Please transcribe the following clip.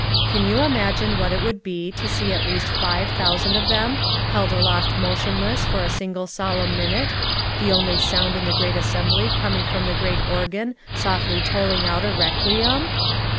Can you imagine what it would he to see at least five thousand of them held aloft motionless for a single solemn minute, the only sound in the great assemhly coming from the great organ softly tolling out a re quiem?